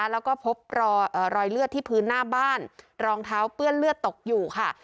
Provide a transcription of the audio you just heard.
แล้วก็พบรอยเลือดที่พื้นหน้าบ้านรองเท้าเปื้อนเลือดตกอยู่ค่ะ